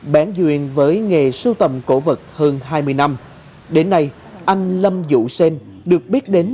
bản duyên với nghề sưu tầm cổ vật hơn hai mươi năm đến nay anh lâm dũ sênh được biết đến